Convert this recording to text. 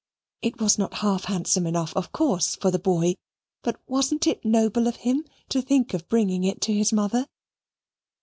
It was not half handsome enough of course for the boy, but wasn't it noble of him to think of bringing it to his mother?